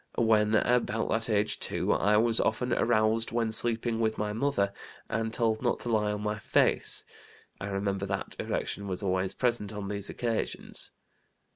When about that age too I was often aroused when sleeping with my mother, and told not to lie on my face. I remember that erection was always present on these occasions.